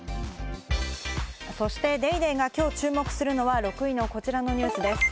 そして『ＤａｙＤａｙ．』がきょう注目するのは６位のこちらのニュースです。